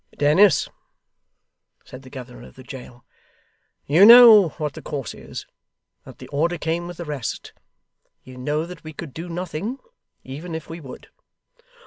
'Dennis,' said the governor of the jail, 'you know what the course is, and that the order came with the rest. You know that we could do nothing, even if we would.